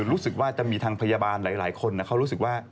รู้สึกว่าจะมีทางพยาบาลหลายคนเขารู้สึกว่า